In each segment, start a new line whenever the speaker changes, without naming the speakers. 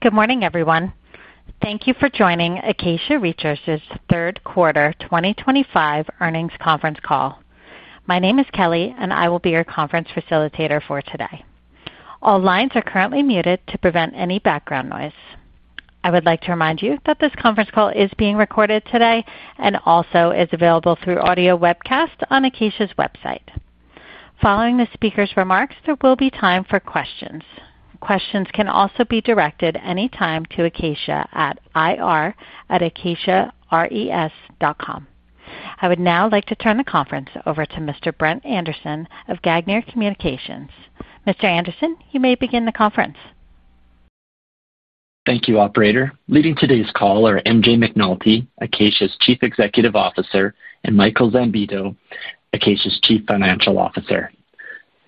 Good morning, everyone. Thank you for joining Acacia Research's third quarter 2025 earnings conference call. My name is Kelly, and I will be your conference facilitator for today. All lines are currently muted to prevent any background noise. I would like to remind you that this conference call is being recorded today and also is available through audio webcast on Acacia's website. Following the speaker's remarks, there will be time for questions. Questions can also be directed anytime to acacia@ir@acacia.res.com. I would now like to turn the conference over to Mr. Brent Anderson of Gagner Communications. Mr. Anderson, you may begin the conference.
Thank you, Operator. Leading today's call are MJ McNulty, Acacia's Chief Executive Officer, and Michael Zambito, Acacia's Chief Financial Officer.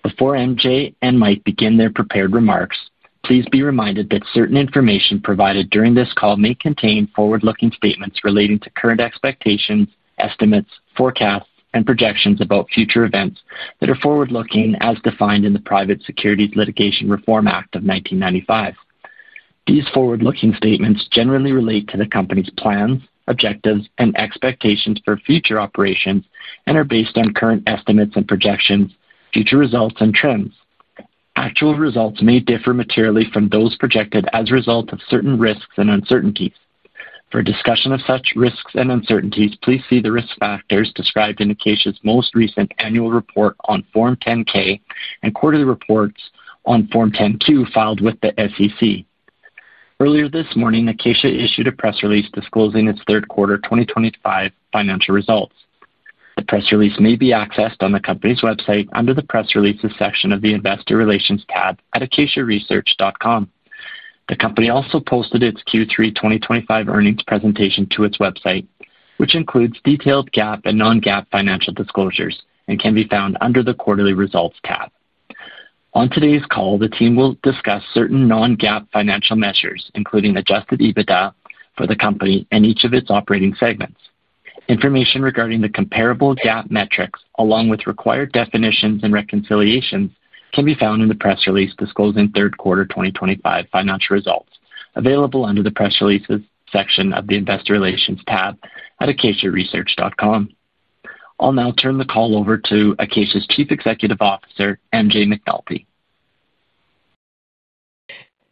Before MJ and Mike begin their prepared remarks, please be reminded that certain information provided during this call may contain forward-looking statements relating to current expectations, estimates, forecasts, and projections about future events that are forward-looking as defined in the Private Securities Litigation Reform Act of 1995. These forward-looking statements generally relate to the company's plans, objectives, and expectations for future operations and are based on current estimates and projections, future results, and trends. Actual results may differ materially from those projected as a result of certain risks and uncertainties. For discussion of such risks and uncertainties, please see the risk factors described in Acacia's most recent annual report on Form 10-K and quarterly reports on Form 10-Q filed with the SEC. Earlier this morning, Acacia issued a press release disclosing its third quarter 2025 financial results. The press release may be accessed on the company's website under the press releases section of the Investor Relations tab at acacia-research.com. The company also posted its Q3 2025 earnings presentation to its website, which includes detailed GAAP and Non-GAAP financial disclosures and can be found under the quarterly results tab. On today's call, the team will discuss certain Non-GAAP financial measures, including Adjusted EBITDA for the company and each of its operating segments. Information regarding the comparable GAAP metrics, along with required definitions and reconciliations, can be found in the press release disclosing third quarter 2025 financial results, available under the press releases section of the Investor Relations tab at acacia-research.com. I'll now turn the call over to Acacia's Chief Executive Officer, MJ McNulty.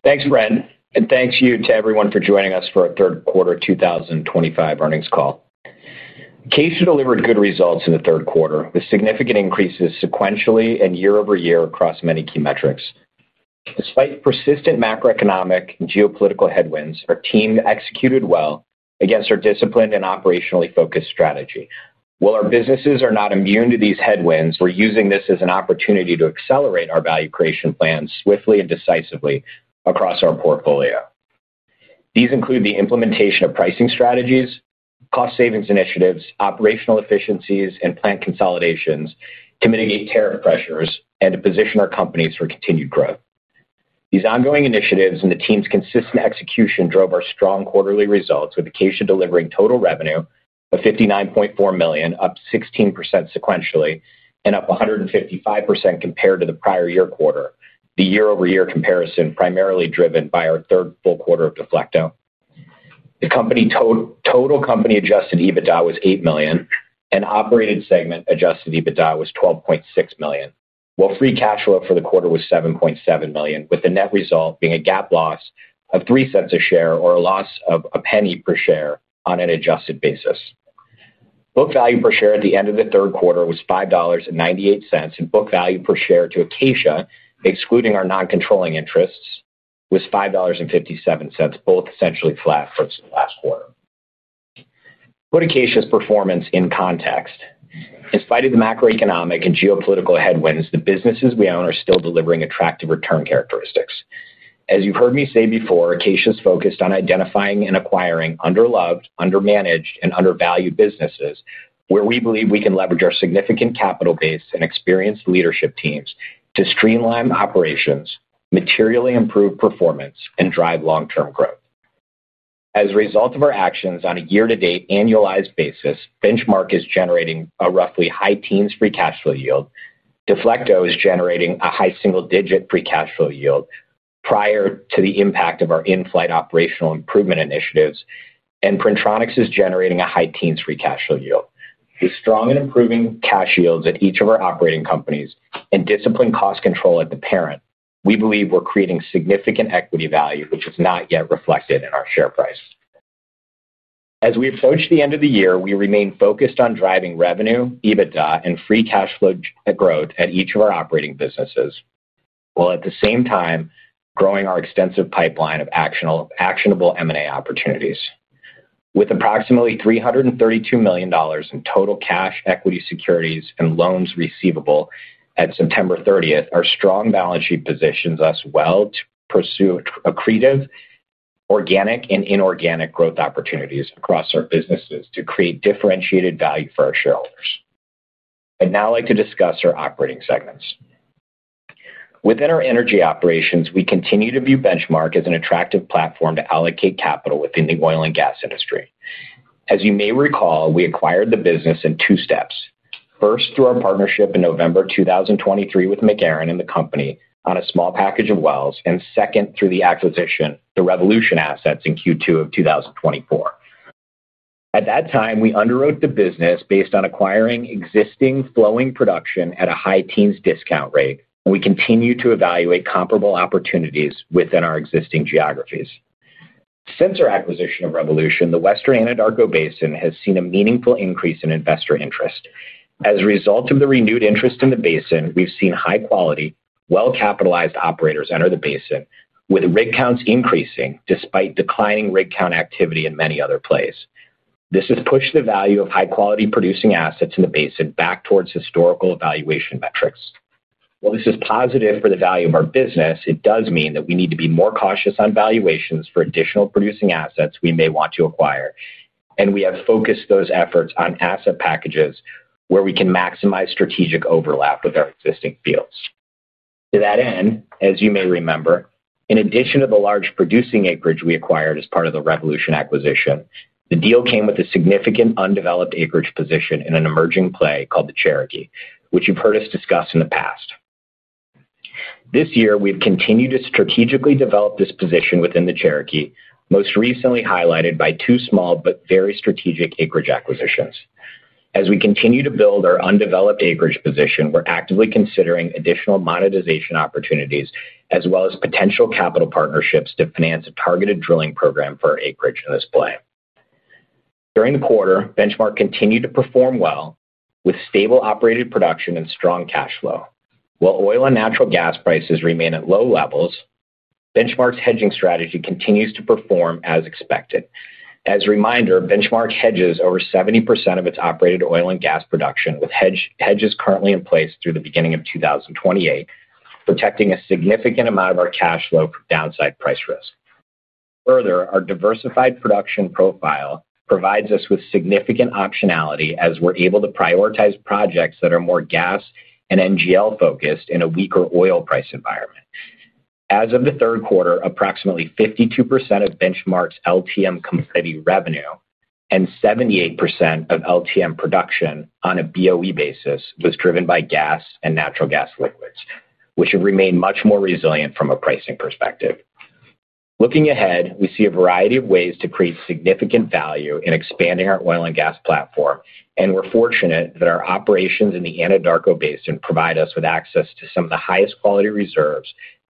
Thanks, Brent, and thanks to you to everyone for joining us for our third quarter 2025 earnings call. Acacia delivered good results in the third quarter with significant increases sequentially and year-over-year across many key metrics. Despite persistent macroeconomic and geopolitical headwinds, our team executed well against our disciplined and operationally focused strategy. While our businesses are not immune to these headwinds, we're using this as an opportunity to accelerate our value creation plans swiftly and decisively across our portfolio. These include the implementation of pricing strategies, cost savings initiatives, operational efficiencies, and plant consolidations to mitigate tariff pressures and to position our companies for continued growth. These ongoing initiatives and the team's consistent execution drove our strong quarterly results, with Acacia delivering total revenue of $59.4 million, up 16% sequentially and up 155% compared to the prior year quarter, the year-over-year comparison primarily driven by our third full quarter of Deflecto. The company total company-Adjusted EBITDA was $8 million, and operated segment-Adjusted EBITDA was $12.6 million, while free cash flow for the quarter was $7.7 million, with the net result being a GAAP loss of $0.03 a share or a loss of a penny per share on an adjusted basis. Book value per share at the end of the third quarter was $5.98, and book value per share to Acacia, excluding our non-controlling interests, was $5.57, both essentially flat for the last quarter. Put Acacia's performance in context. In spite of the macroeconomic and geopolitical headwinds, the businesses we own are still delivering attractive return characteristics. As you've heard me say before, Acacia is focused on identifying and acquiring under-loved, under-managed, and under-valued businesses where we believe we can leverage our significant capital base and experienced leadership teams to streamline operations, materially improve performance, and drive long-term growth. As a result of our actions on a year-to-date annualized basis, Benchmark is generating a roughly high teens free cash flow yield. Deflecto is generating a high single-digit free cash flow yield prior to the impact of our in-flight operational improvement initiatives, and Printronix is generating a high teens free cash flow yield. With strong and improving cash yields at each of our operating companies and disciplined cost control at the parent, we believe we're creating significant equity value, which is not yet reflected in our share price. As we approach the end of the year, we remain focused on driving revenue, EBITDA, and free cash flow growth at each of our operating businesses while at the same time growing our extensive pipeline of actionable M&A opportunities. With approximately $332 million in total cash, equity securities, and loans receivable at September 30, our strong balance sheet positions us well to pursue accretive, organic, and inorganic growth opportunities across our businesses to create differentiated value for our shareholders. I'd now like to discuss our operating segments. Within our energy operations, we continue to view Benchmark as an attractive platform to allocate capital within the oil and gas industry. As you may recall, we acquired the business in two steps: first, through our partnership in November 2023 with McNulty and the company on a small package of wells, and second, through the acquisition of Revolution Assets in Q2 2024. At that time, we underwrote the business based on acquiring existing flowing production at a high teens discount rate, and we continue to evaluate comparable opportunities within our existing geographies. Since our acquisition of Revolution, the Western Anadarko Basin has seen a meaningful increase in investor interest. As a result of the renewed interest in the basin, we've seen high-quality, well-capitalized operators enter the basin, with rig counts increasing despite declining rig count activity in many other plays. This has pushed the value of high-quality producing assets in the basin back towards historical evaluation metrics. While this is positive for the value of our business, it does mean that we need to be more cautious on valuations for additional producing assets we may want to acquire, and we have focused those efforts on asset packages where we can maximize strategic overlap with our existing fields. To that end, as you may remember, in addition to the large producing acreage we acquired as part of the Revolution acquisition, the deal came with a significant undeveloped acreage position in an emerging play called the Cherokee, which you have heard us discuss in the past. This year, we have continued to strategically develop this position within the Cherokee, most recently highlighted by two small but very strategic acreage acquisitions. As we continue to build our undeveloped acreage position, we are actively considering additional monetization opportunities as well as potential capital partnerships to finance a targeted drilling program for our acreage in this play. During the quarter, Benchmark continued to perform well with stable operated production and strong cash flow. While oil and natural gas prices remain at low levels, Benchmark's hedging strategy continues to perform as expected. As a reminder, Benchmark hedges over 70% of its operated oil and gas production, with hedges currently in place through the beginning of 2028, protecting a significant amount of our cash flow from downside price risk. Further, our diversified production profile provides us with significant optionality as we're able to prioritize projects that are more gas and NGL-focused in a weaker oil price environment. As of the third quarter, approximately 52% of Benchmark's LTM commodity revenue and 78% of LTM production on a BOE basis was driven by gas and natural gas liquids, which have remained much more resilient from a pricing perspective. Looking ahead, we see a variety of ways to create significant value in expanding our oil and gas platform, and we're fortunate that our operations in the Anadarko Basin provide us with access to some of the highest quality reserves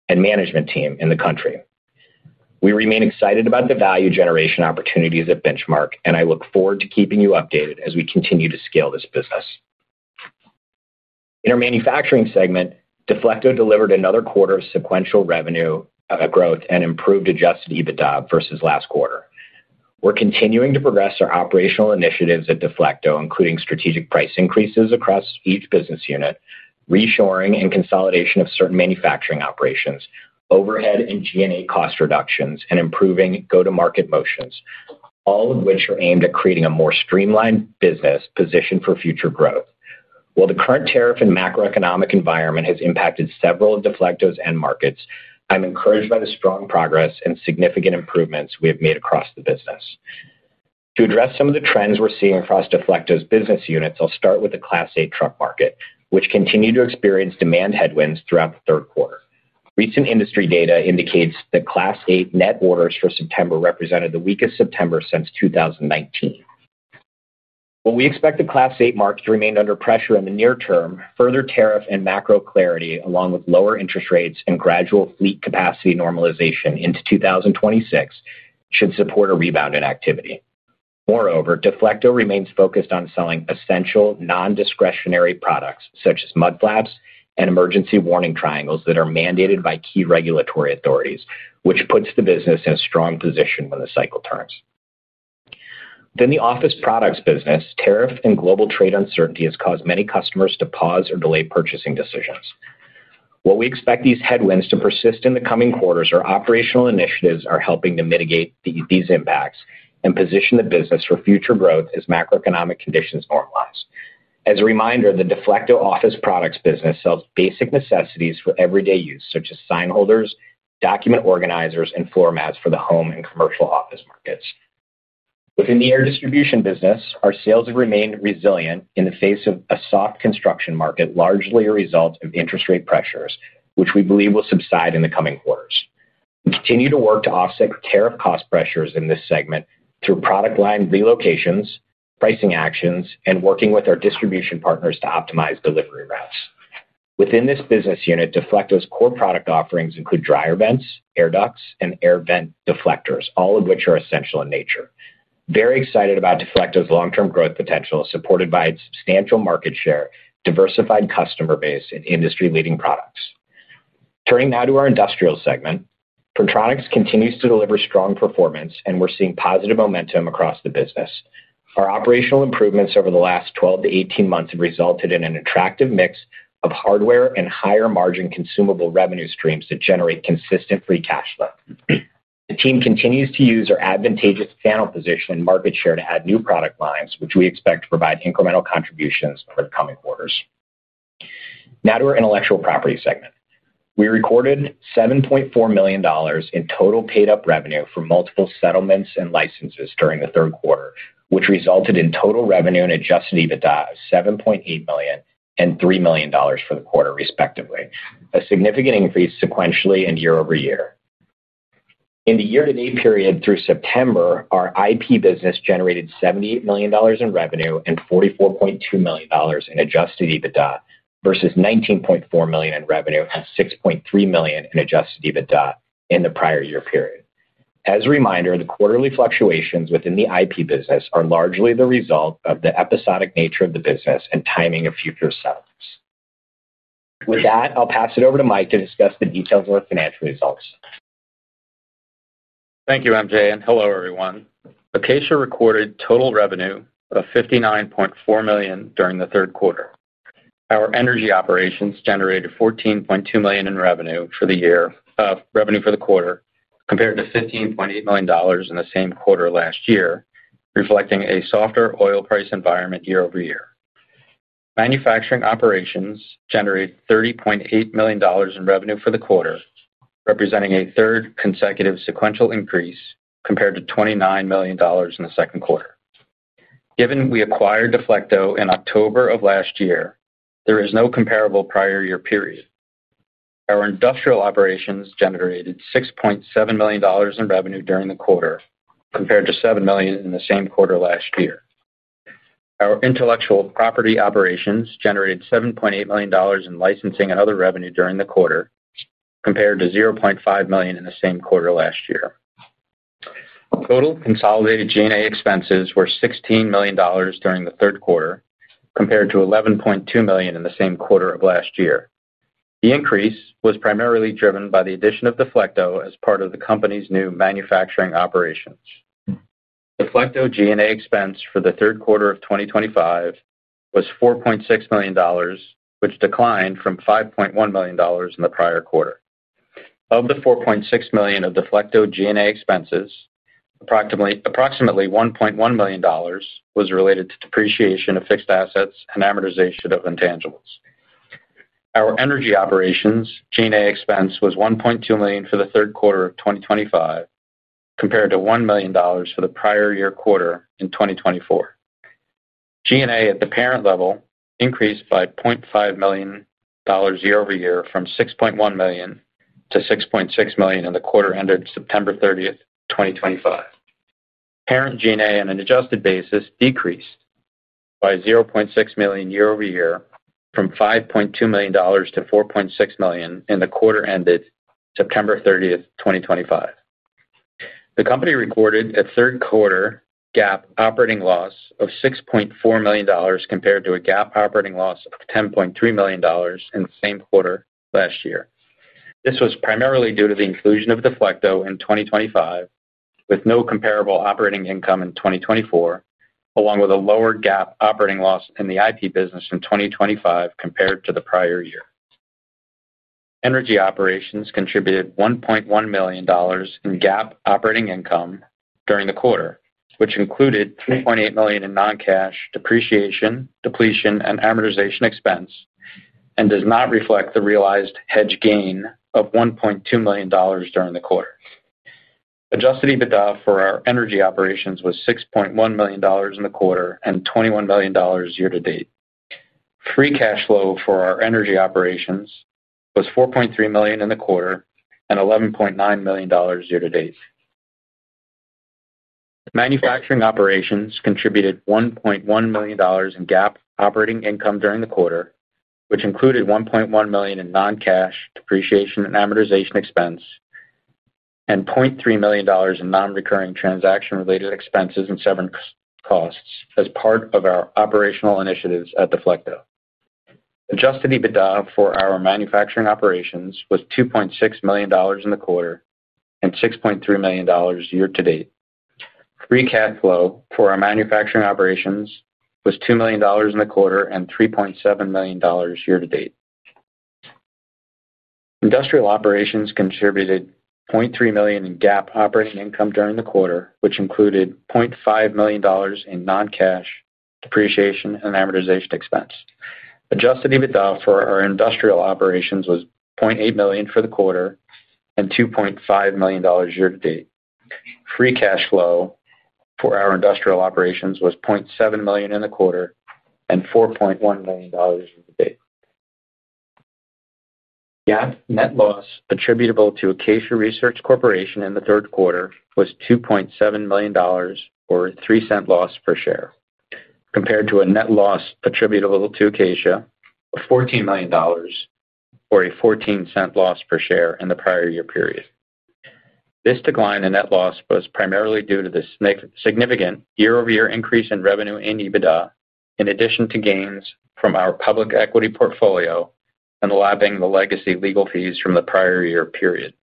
and management team in the country. We remain excited about the value generation opportunities at Benchmark, and I look forward to keeping you updated as we continue to scale this business. In our manufacturing segment, Deflecto delivered another quarter of sequential revenue growth and improved Adjusted EBITDA versus last quarter. We're continuing to progress our operational initiatives at Deflecto, including strategic price increases across each business unit, reshoring and consolidation of certain manufacturing operations, overhead and G&A cost reductions, and improving go-to-market motions, all of which are aimed at creating a more streamlined business position for future growth. While the current tariff and macroeconomic environment has impacted several of Deflecto's end markets, I'm encouraged by the strong progress and significant improvements we have made across the business. To address some of the trends we're seeing across Deflecto's business units, I'll start with the Class 8 truck market, which continued to experience demand headwinds throughout the third quarter. Recent industry data indicates that Class 8 net orders for September represented the weakest September since 2019. While we expect the Class 8 market to remain under pressure in the near term, further tariff and macro clarity, along with lower interest rates and gradual fleet capacity normalization into 2026, should support a rebound in activity. Moreover, Deflecto remains focused on selling essential non-discretionary products such as mud flaps and emergency warning triangles that are mandated by key regulatory authorities, which puts the business in a strong position when the cycle turns. Within the office products business, tariff and global trade uncertainty has caused many customers to pause or delay purchasing decisions. While we expect these headwinds to persist in the coming quarters, our operational initiatives are helping to mitigate these impacts and position the business for future growth as macroeconomic conditions normalize. As a reminder, the Deflecto office products business sells basic necessities for everyday use such as sign holders, document organizers, and floor mats for the home and commercial office markets. Within the air distribution business, our sales have remained resilient in the face of a soft construction market, largely a result of interest rate pressures, which we believe will subside in the coming quarters. We continue to work to offset tariff cost pressures in this segment through product line relocations, pricing actions, and working with our distribution partners to optimize delivery routes. Within this business unit, Deflecto's core product offerings include dryer vents, air ducts, and air vent deflectors, all of which are essential in nature. Very excited about Deflecto's long-term growth potential supported by its substantial market share, diversified customer base, and industry-leading products. Turning now to our industrial segment, Printronix continues to deliver strong performance, and we're seeing positive momentum across the business. Our operational improvements over the last 12-18 months have resulted in an attractive mix of hardware and higher-margin consumable revenue streams that generate consistent free cash flow. The team continues to use our advantageous channel position and market share to add new product lines, which we expect to provide incremental contributions over the coming quarters. Now to our intellectual property segment. We recorded $7.4 million in total paid-up revenue for multiple settlements and licenses during the third quarter, which resulted in total revenue and Adjusted EBITDA of $7.8 million and $3 million for the quarter, respectively, a significant increase sequentially and year-over-year. In the year-to-date period through September, our IP business generated $78 million in revenue and $44.2 million in Adjusted EBITDA versus $19.4 million in revenue and $6.3 million in Adjusted EBITDA in the prior year period. As a reminder, the quarterly fluctuations within the IP business are largely the result of the episodic nature of the business and timing of future settlements. With that, I'll pass it over to Mike to discuss the details of our financial results.
Thank you, MJ. And hello, everyone. Acacia recorded total revenue of $59.4 million during the third quarter. Our energy operations generated $14.2 million in revenue for the quarter compared to $15.8 million in the same quarter last year, reflecting a softer oil price environment year-over-year. Manufacturing operations generated $30.8 million in revenue for the quarter, representing a third consecutive sequential increase compared to $29 million in the second quarter. Given we acquired Deflecto in October of last year, there is no comparable prior year period. Our industrial operations generated $6.7 million in revenue during the quarter compared to $7 million in the same quarter last year. Our intellectual property operations generated $7.8 million in licensing and other revenue during the quarter compared to $0.5 million in the same quarter last year. Total consolidated G&A expenses were $16 million during the third quarter compared to $11.2 million in the same quarter of last year. The increase was primarily driven by the addition of Deflecto as part of the company's new manufacturing operations. Deflecto G&A expense for the third quarter of 2025 was $4.6 million, which declined from $5.1 million in the prior quarter. Of the $4.6 million of Deflecto G&A expenses, approximately $1.1 million was related to depreciation of fixed assets and amortization of intangibles. Our energy operations G&A expense was $1.2 million for the third quarter of 2025, compared to $1 million for the prior year quarter in 2024. G&A at the parent level increased by $0.5 million year-over-year from $6.1 million to $6.6 million in the quarter ended September 30th, 2025. Parent G&A on an adjusted basis decreased by $0.6 million year-over-year from $5.2 million to $4.6 million in the quarter ended September 30th, 2025. The company recorded a third-quarter GAAP operating loss of $6.4 million compared to a GAAP operating loss of $10.3 million in the same quarter last year. This was primarily due to the inclusion of Deflecto in 2025, with no comparable operating income in 2024, along with a lower GAAP operating loss in the IP business in 2025 compared to the prior year. Energy operations contributed $1.1 million in GAAP operating income during the quarter, which included $3.8 million in non-cash depreciation, depletion, and amortization expense, and does not reflect the realized hedge gain of $1.2 million during the quarter. Adjusted EBITDA for our energy operations was $6.1 million in the quarter and $21 million year-to-date. Free cash flow for our energy operations was $4.3 million in the quarter and $11.9 million year-to-date. Manufacturing operations contributed $1.1 million in GAAP operating income during the quarter, which included $1.1 million in non-cash depreciation and amortization expense, and $0.3 million in non-recurring transaction-related expenses and service costs as part of our operational initiatives at Deflecto. Adjusted EBITDA for our manufacturing operations was $2.6 million in the quarter and $6.3 million year-to-date. Free cash flow for our manufacturing operations was $2 million in the quarter and $3.7 million year-to-date. Industrial operations contributed $0.3 million in GAAP operating income during the quarter, which included $0.5 million in non-cash depreciation and amortization expense. Adjusted EBITDA for our industrial operations was $0.8 million for the quarter and $2.5 million year-to-date. Free cash flow for our industrial operations was $0.7 million in the quarter and $4.1 million year-to-date. GAAP net loss attributable to Acacia Research in the third quarter was $2.7 million, or a $0.03 loss per share, compared to a net loss attributable to Acacia of $14 million, or a $0.14 loss per share in the prior year period. This decline in net loss was primarily due to the significant year-over-year increase in revenue and EBITDA, in addition to gains from our public equity portfolio and allowing the legacy legal fees from the prior year period.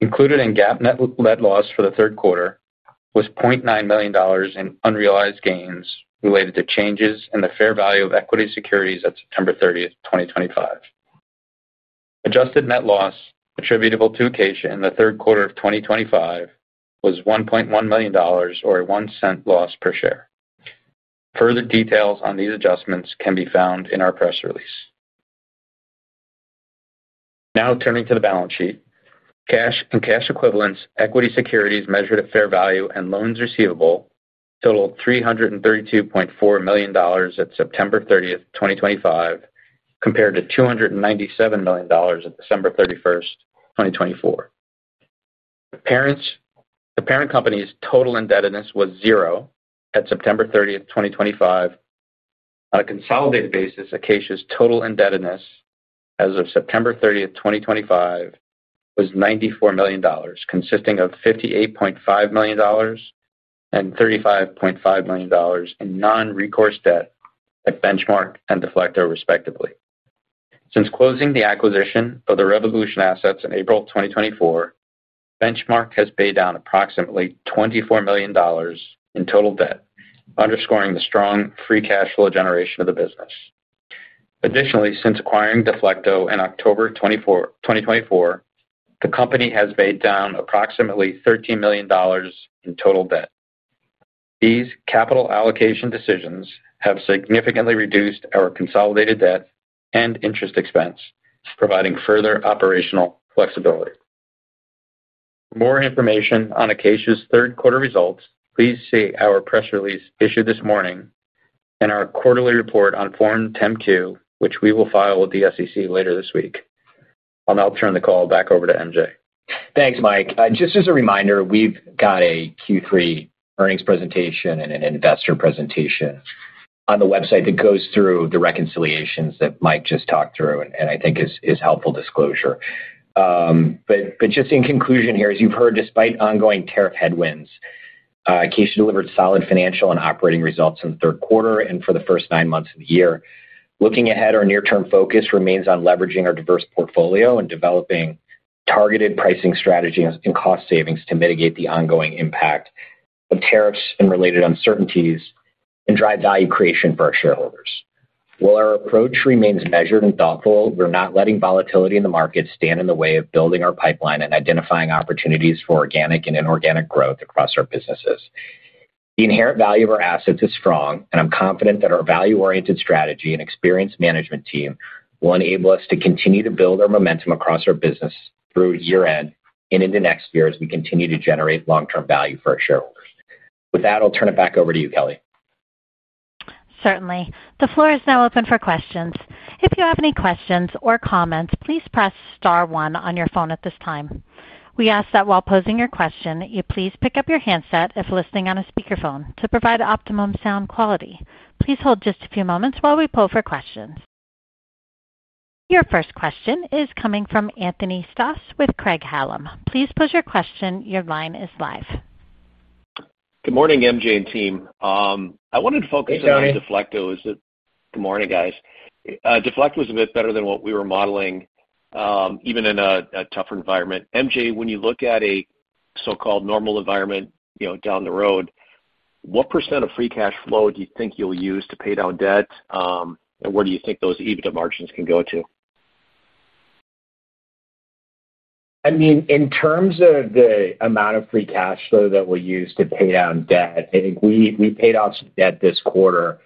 Included in GAAP net loss for the third quarter was $0.9 million in unrealized gains related to changes in the fair value of equity securities at September 30, 2025. Adjusted Net Loss attributable to Acacia in the third quarter of 2025 was $1.1 million, or a $0.01 loss per share. Further details on these adjustments can be found in our press release. Now turning to the balance sheet, cash and cash equivalents, equity securities measured at fair value, and loans receivable totaled $332.4 million at September 30, 2025, compared to $297 million at December 31, 2024. The parent company's total indebtedness was zero at September 30, 2025. On a consolidated basis, Acacia's total indebtedness as of September 30, 2025 was $94 million, consisting of $58.5 million and $35.5 million in non-recourse debt at Benchmark and Deflecto, respectively. Since closing the acquisition of the Revolution Assets in April 2024, Benchmark has paid down approximately $24 million in total debt, underscoring the strong free cash flow generation of the business. Additionally, since acquiring Deflecto in October 2024, the company has paid down approximately $13 million in total debt. These capital allocation decisions have significantly reduced our consolidated debt and interest expense, providing further operational flexibility. For more information on Acacia's third-quarter results, please see our press release issued this morning and our quarterly report on Form 10-Q, which we will file with the SEC later this week. I'll now turn the call back over to MJ.
Thanks, Mike. Just as a reminder, we've got a Q3 earnings presentation and an investor presentation on the website that goes through the reconciliations that Mike just talked through, and I think is helpful disclosure. Just in conclusion here, as you've heard, despite ongoing tariff headwinds, Acacia delivered solid financial and operating results in the third quarter and for the first nine months of the year. Looking ahead, our near-term focus remains on leveraging our diverse portfolio and developing targeted pricing strategies and cost savings to mitigate the ongoing impact of tariffs and related uncertainties and drive value creation for our shareholders. While our approach remains measured and thoughtful, we're not letting volatility in the market stand in the way of building our pipeline and identifying opportunities for organic and inorganic growth across our businesses. The inherent value of our assets is strong, and I'm confident that our value-oriented strategy and experienced management team will enable us to continue to build our momentum across our business through year-end and into next year as we continue to generate long-term value for our shareholders. With that, I'll turn it back over to you, Kelly.
Certainly. The floor is now open for questions. If you have any questions or comments, please press Star 1 on your phone at this time. We ask that while posing your question, you please pick up your handset if listening on a speakerphone to provide optimum sound quality. Please hold just a few moments while we pull for questions. Your first question is coming from Anthony Stoss with Craig-Hallum. Please pose your question. Your line is live.
Good morning, MJ and team. I wanted to focus on Deflecto. Good morning, guys. Deflecto is a bit better than what we were modeling. Even in a tougher environment. MJ, when you look at a so-called normal environment down the road, what percent of free cash flow do you think you'll use to pay down debt, and where do you think those EBITDA margins can go to?
I mean, in terms of the amount of free cash flow that we'll use to pay down debt, I think we paid off some debt this quarter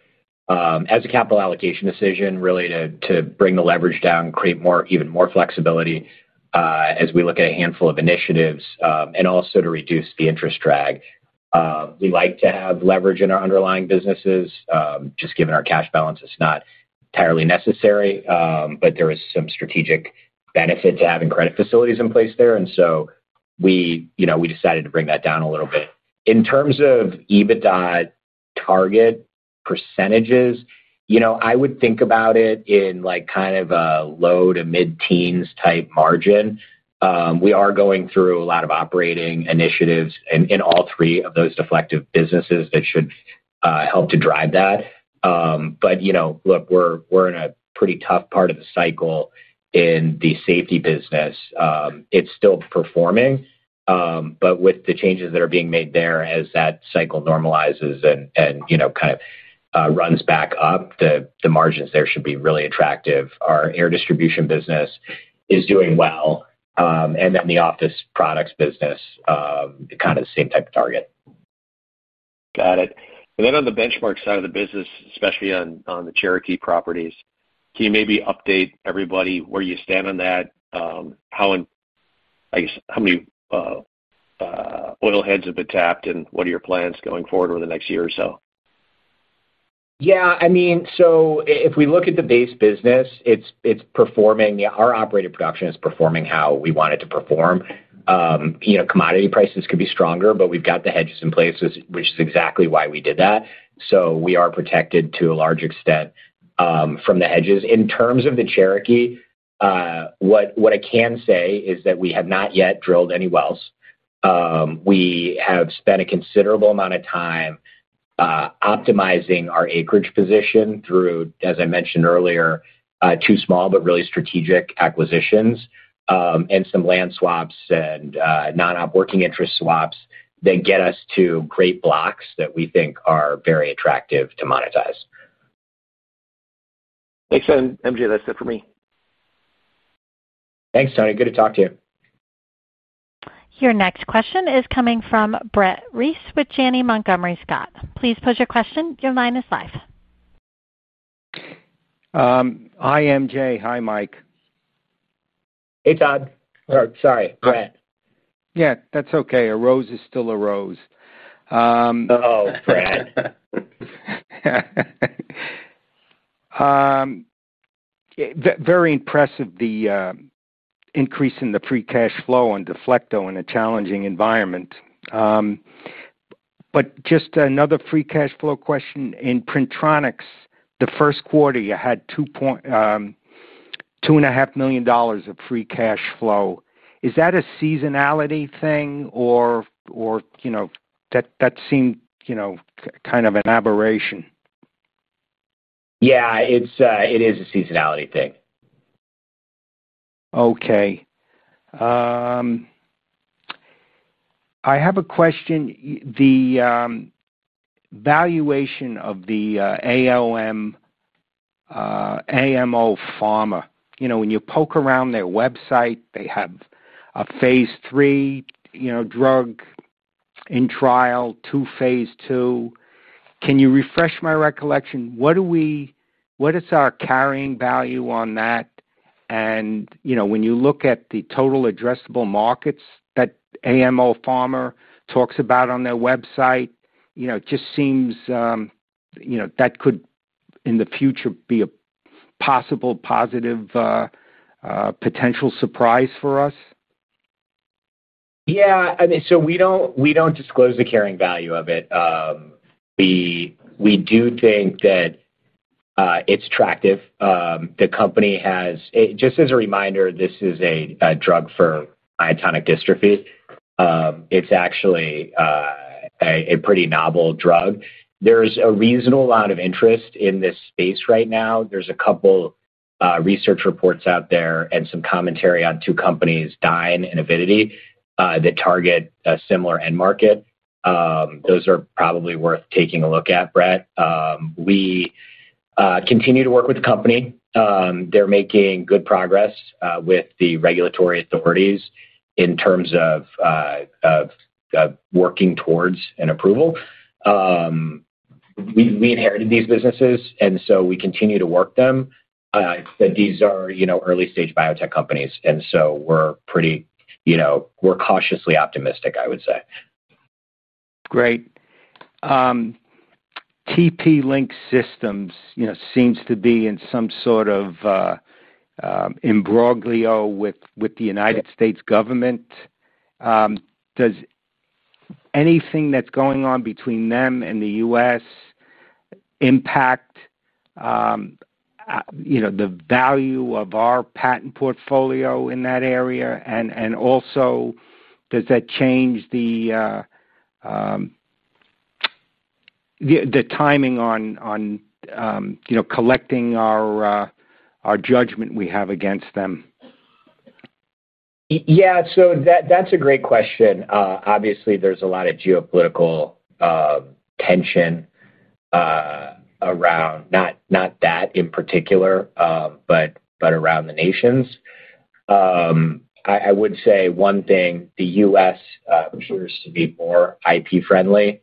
as a capital allocation decision, really, to bring the leverage down, create even more flexibility as we look at a handful of initiatives, and also to reduce the interest drag. We like to have leverage in our underlying businesses. Just given our cash balance, it's not entirely necessary, but there is some strategic benefit to having credit facilities in place there. We decided to bring that down a little bit. In terms of EBITDA target percentages, I would think about it in kind of a low to mid-teens type margin. We are going through a lot of operating initiatives in all three of those Deflecto businesses that should help to drive that. Look, we're in a pretty tough part of the cycle in the safety business. It's still performing. With the changes that are being made there as that cycle normalizes and kind of runs back up, the margins there should be really attractive. Our air distribution business is doing well. The office products business, kind of the same type of target.
Got it. On the Benchmark side of the business, especially on the Cherokee properties, can you maybe update everybody where you stand on that? How many. Oil heads have been tapped, and what are your plans going forward over the next year or so?
Yeah. I mean, if we look at the base business, it's performing. Our operating production is performing how we want it to perform. Commodity prices could be stronger, but we've got the hedges in place, which is exactly why we did that. We are protected to a large extent from the hedges. In terms of the Cherokee, what I can say is that we have not yet drilled any wells. We have spent a considerable amount of time optimizing our acreage position through, as I mentioned earlier, two small but really strategic acquisitions and some land swaps and non-op working interest swaps that get us to great blocks that we think are very attractive to monetize.
Thanks, MJ. That's it for me.
Thanks, Tony. Good to talk to you.
Your next question is coming from Brett Reiss with Janney Montgomery Scott. Please pose your question. Your line is live.
Hi, MJ. Hi, Mike.
Hey, Todd. Sorry, Brett.
Yeah, that's okay. A rose is still a rose.
Oh, Brett.
Very impressive, the increase in the free cash flow on Deflecto in a challenging environment. Just another free cash flow question. In Printronix, the first quarter, you had $2.5 million of free cash flow. Is that a seasonality thing, or that seemed kind of an aberration?
Yeah, it is a seasonality thing.
Okay. I have a question. The valuation of the AMO Pharma, when you poke around their website, they have a phase three drug in trial, two phase two. Can you refresh my recollection? What is our carrying value on that? When you look at the total addressable markets that AMO Pharma talks about on their website, it just seems that could, in the future, be a possible positive. Potential surprise for us?
Yeah. I mean, we do not disclose the carrying value of it. We do think that it is attractive. The company has—just as a reminder, this is a drug for oculopharyngeal muscular dystrophy. It is actually a pretty novel drug. There is a reasonable amount of interest in this space right now. There are a couple of research reports out there and some commentary on two companies, Dyne and Avidity, that target a similar end market. Those are probably worth taking a look at, Brett. We continue to work with the company. They are making good progress with the regulatory authorities in terms of working towards an approval. We inherited these businesses, and we continue to work them. But these are early-stage biotech companies, and so we're pretty— We're cautiously optimistic, I would say.
Great. TP-Link Systems seems to be in some sort of imbroglio with the U.S. government. Does anything that's going on between them and the U.S. impact the value of our patent portfolio in that area? And also, does that change the timing on collecting our judgment we have against them?
Yeah. So that's a great question. Obviously, there's a lot of geopolitical tension around—not that in particular, but around the nations. I would say one thing: the U.S. appears to be more IP-friendly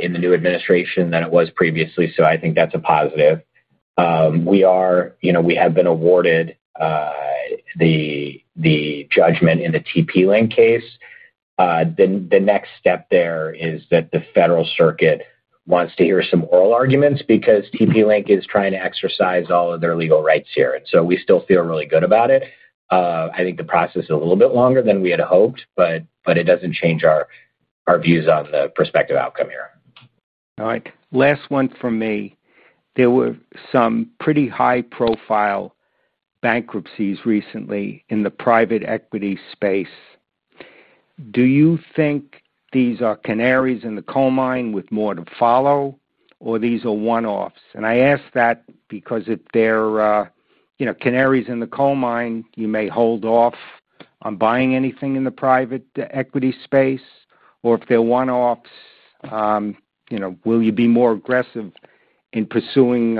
in the new administration than it was previously. So I think that's a positive. We have been awarded the judgment in the TP-Link case. The next step there is that the federal circuit wants to hear some oral arguments because TP-Link is trying to exercise all of their legal rights here. We still feel really good about it. I think the process is a little bit longer than we had hoped, but it does not change our views on the prospective outcome here.
All right. Last one from me. There were some pretty high-profile bankruptcies recently in the private equity space. Do you think these are canaries in the coal mine with more to follow, or these are one-offs? I ask that because if they are canaries in the coal mine, you may hold off on buying anything in the private equity space. Or if they are one-offs, will you be more aggressive in pursuing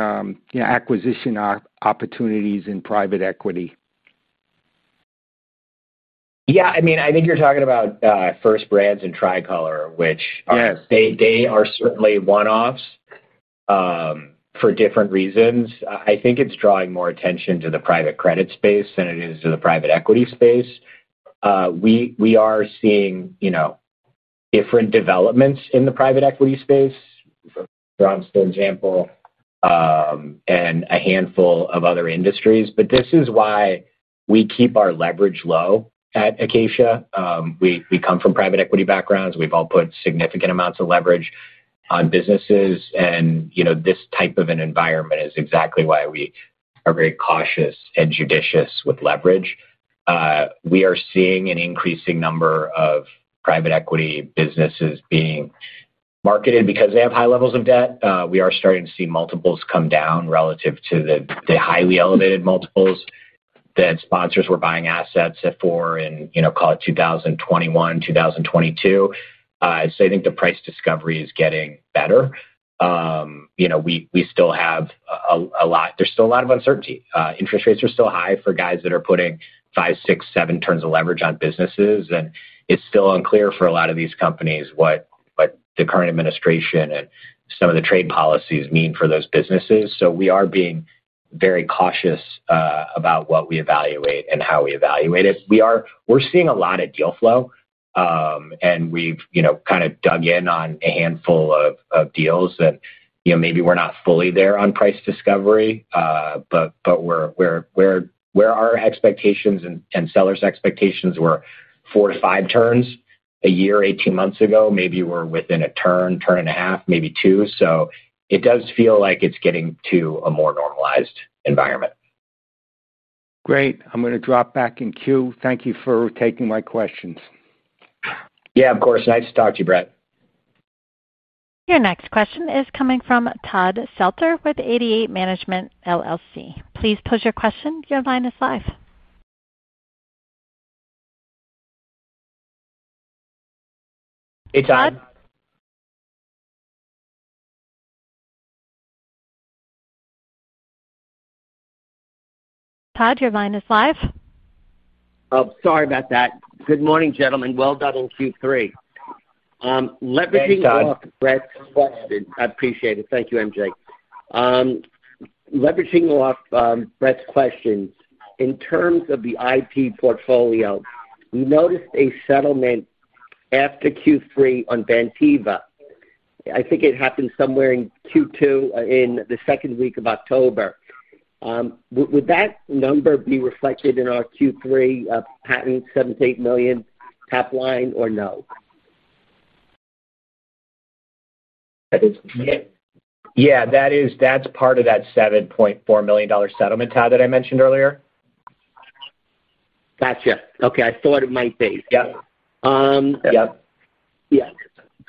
acquisition opportunities in private equity?
Yeah. I mean, I think you are talking about First Brands and Tricolor, which. They are certainly one-offs. For different reasons. I think it's drawing more attention to the private credit space than it is to the private equity space. We are seeing different developments in the private equity space, for example, and a handful of other industries. This is why we keep our leverage low at Acacia. We come from private equity backgrounds. We've all put significant amounts of leverage on businesses. This type of an environment is exactly why we are very cautious and judicious with leverage. We are seeing an increasing number of private equity businesses being marketed because they have high levels of debt. We are starting to see multiples come down relative to the highly elevated multiples that sponsors were buying assets for in, call it, 2021, 2022. I think the price discovery is getting better. We still have a lot—there's still a lot of uncertainty. Interest rates are still high for guys that are putting five, six, seven turns of leverage on businesses. It is still unclear for a lot of these companies what the current administration and some of the trade policies mean for those businesses. We are being very cautious about what we evaluate and how we evaluate it. We're seeing a lot of deal flow. We've kind of dug in on a handful of deals. Maybe we're not fully there on price discovery, but where our expectations and sellers' expectations were four to five turns a year 18 months ago, maybe we're within a turn, turn and a half, maybe two. It does feel like it's getting to a more normalized environment.
Great. I'm going to drop back in queue. Thank you for taking my questions.
Yeah, of course. Nice to talk to you, Brett.
Your next question is coming from Todd Selter with 88 Management LLC. Please pose your question. Your line is live. Hey, Todd? Todd, your line is live.
Oh, sorry about that. Good morning, gentlemen. Well done in Q3. Let me take off Brett's question. I appreciate it. Thank you, MJ. Leveraging off Brett's question, in terms of the IP portfolio, we noticed a settlement. After Q3 on Ventiva. I think it happened somewhere in Q2 in the second week of October. Would that number be reflected in our Q3 patent $7 million-$8 million top line, or no?
Yeah, that's part of that $7.4 million settlement, Todd, that I mentioned earlier.
Gotcha. Okay. I thought it might be. Yep.
Yep.
Yeah.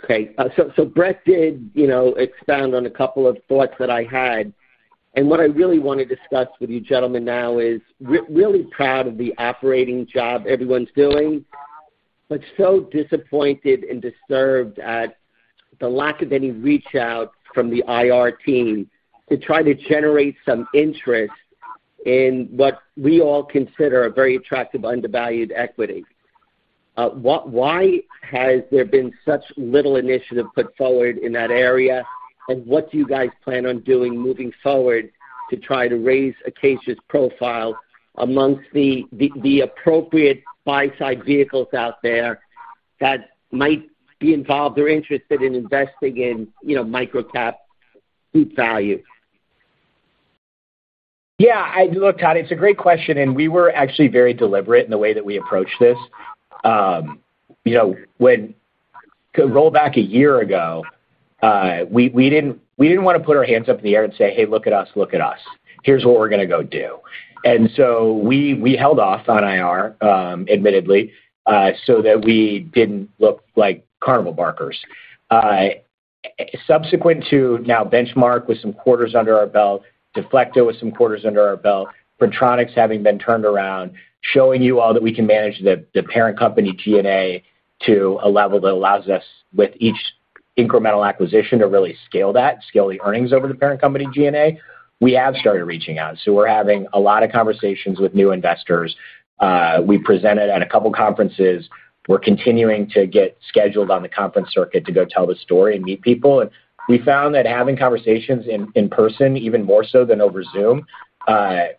Okay. So Brett did. Expound on a couple of thoughts that I had. What I really want to discuss with you, gentlemen, now is really proud of the operating job everyone's doing. I am so disappointed and disturbed at the lack of any reach out from the IR team to try to generate some interest in what we all consider a very attractive undervalued equity. Why has there been such little initiative put forward in that area? What do you guys plan on doing moving forward to try to raise Acacia's profile amongst the appropriate buy-side vehicles out there that might be involved or interested in investing in microcap deep value?
Yeah. Look, Todd, it's a great question. We were actually very deliberate in the way that we approached this. To roll back a year ago, we did not want to put our hands up in the air and say, "Hey, look at us, look at us. Here's what we're going to go do. We held off on IR, admittedly, so that we did not look like carnival barkers. Subsequent to now Benchmark with some quarters under our belt, Deflecto with some quarters under our belt, Printronix having been turned around, showing you all that we can manage the parent company G&A to a level that allows us, with each incremental acquisition, to really scale that, scale the earnings over the parent company G&A, we have started reaching out. We are having a lot of conversations with new investors. We presented at a couple of conferences. We are continuing to get scheduled on the conference circuit to go tell the story and meet people. We found that having conversations in person, even more so than over Zoom,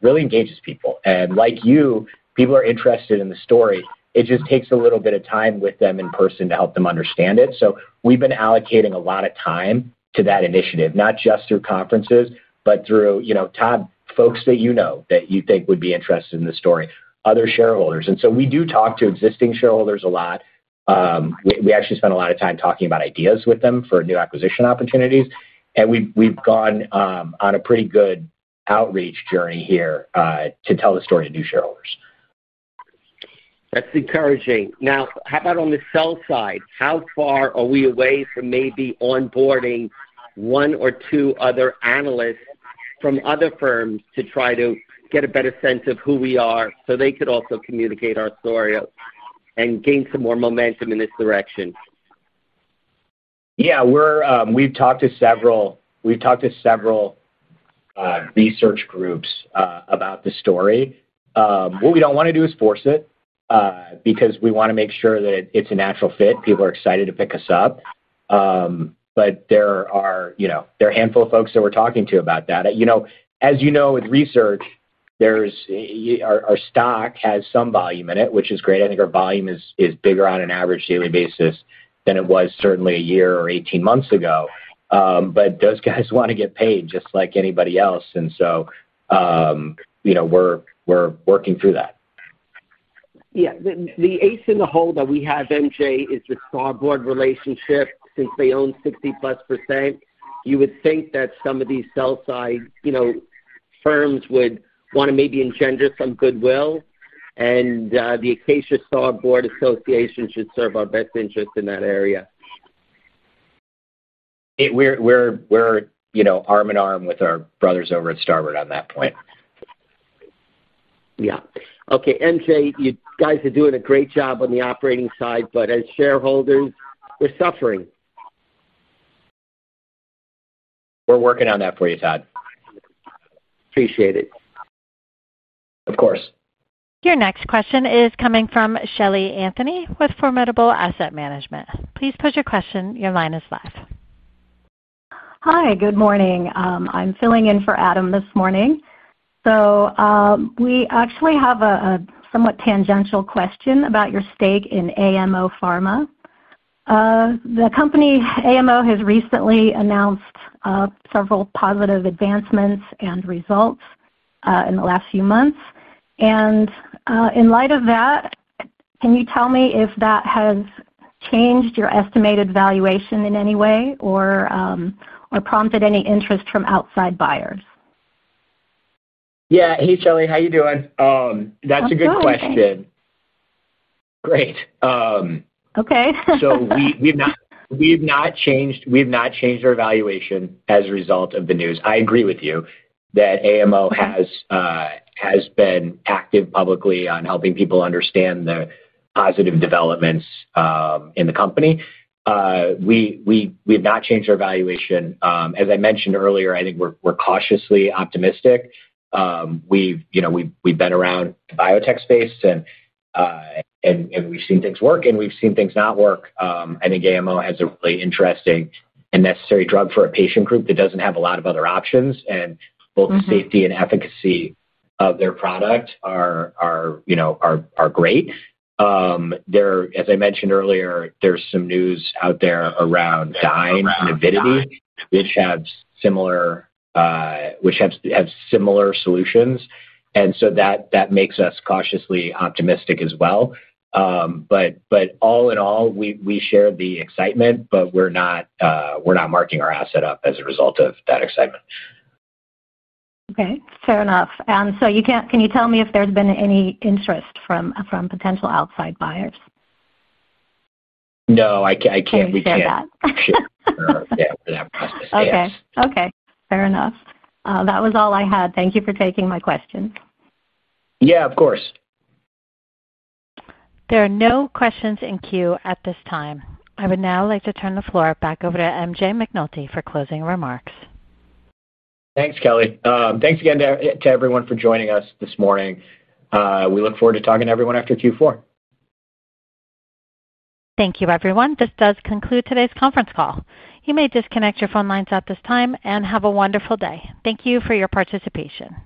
really engages people. Like you, people are interested in the story. It just takes a little bit of time with them in person to help them understand it. So we've been allocating a lot of time to that initiative, not just through conferences, but through, Todd, folks that you know that you think would be interested in the story, other shareholders. And so we do talk to existing shareholders a lot. We actually spent a lot of time talking about ideas with them for new acquisition opportunities. And we've gone on a pretty good outreach journey here to tell the story to new shareholders.
That's encouraging. Now, how about on the sell side? How far are we away from maybe onboarding one or two other analysts from other firms to try to get a better sense of who we are so they could also communicate our story and gain some more momentum in this direction?
Yeah. We've talked to several. Research groups about the story. What we do not want to do is force it. Because we want to make sure that it is a natural fit. People are excited to pick us up. There are a handful of folks that we are talking to about that. As you know, with research, our stock has some volume in it, which is great. I think our volume is bigger on an average daily basis than it was certainly a year or 18 months ago. Those guys want to get paid just like anybody else. We are working through that.
Yeah. The ace in the hole that we have, MJ, is the Starboard relationship since they own 60%+. You would think that some of these sell-side firms would want to maybe engender some goodwill. The Acacia-Starboard association should serve our best interest in that area.
We're arm in arm with our brothers over at Starboard on that point.
Yeah. Okay. MJ, you guys are doing a great job on the operating side, but as shareholders, we're suffering.
We're working on that for you, Todd.
Appreciate it.
Of course.
Your next question is coming from Shelley Anthony with Formidable Asset Management. Please pose your question. Your line is live.
Hi. Good morning. I'm filling in for Adam this morning. We actually have a somewhat tangential question about your stake in AMO Pharma. The company AMO has recently announced several positive advancements and results in the last few months. In light of that, can you tell me if that has changed your estimated valuation in any way or prompted any interest from outside buyers?
Yeah. Hey, Shelly. How are you doing? That's a good question. Great.
Okay.
We've not changed our valuation as a result of the news. I agree with you that AMO has been active publicly on helping people understand the positive developments in the company. We've not changed our valuation. As I mentioned earlier, I think we're cautiously optimistic. We've been around the biotech space, and we've seen things work, and we've seen things not work. I think AMO has a really interesting and necessary drug for a patient group that doesn't have a lot of other options. Both the safety and efficacy of their product are great. As I mentioned earlier, there's some news out there around Dyne and Avidity, which have similar solutions. That makes us cautiously optimistic as well. All in all, we share the excitement, but we're not marking our asset up as a result of that excitement.
Okay. Fair enough. Can you tell me if there's been any interest from potential outside buyers?
No, I can't. We can't. We can't hear that. Yeah. We're not requesting.
Yes. Okay. Okay. Fair enough. That was all I had. Thank you for taking my questions.
Yeah, of course.
There are no questions in queue at this time. I would now like to turn the floor back over to MJ McNulty for closing remarks.
Thanks, Kelly. Thanks again to everyone for joining us this morning. We look forward to talking to everyone after Q4.
Thank you, everyone. This does conclude today's conference call. You may disconnect your phone lines at this time and have a wonderful day. Thank you for your participation.